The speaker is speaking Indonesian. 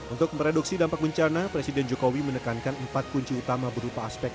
untuk mereduksi dampak bencana presiden jokowi menekankan empat kunci utama berupa aspek